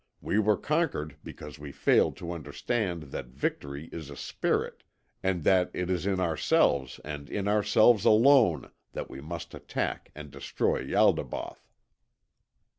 We were conquered because we failed to understand that Victory is a Spirit, and that it is in ourselves and in ourselves alone that we must attack and destroy Ialdabaoth."